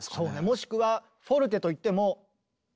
もしくはフォルテといっても。